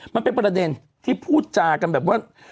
มันเป็นประเด็นที่พูดจากันแบบว่า